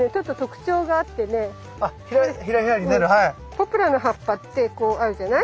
ポプラの葉っぱってこうあるじゃない？